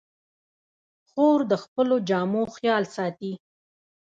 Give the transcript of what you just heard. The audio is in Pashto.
خور د خپلو جامو خیال ساتي.